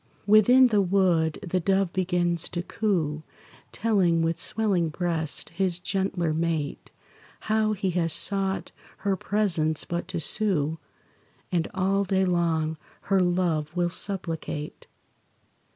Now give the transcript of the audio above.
Within the wood the dove begins to coo, Telling, with swelling breast, his gentler mate How he has sought her presence but to sue, And all day long her love will supplicate.